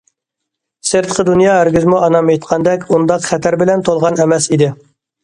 سىرتقى دۇنيا ھەرگىزمۇ ئانام ئېيتقاندەك ئۇنداق خەتەر بىلەن تولغان ئەمەس ئىدى.